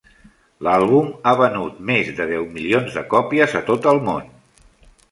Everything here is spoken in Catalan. L'àlbum ha venut més de deu milions de còpies a tot el món.